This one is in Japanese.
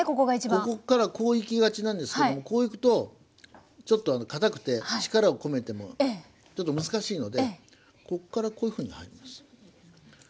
ここからこういきがちなんですけどもこういくとちょっとかたくて力を込めてもちょっと難しいのでこっからこういうふうに入ります。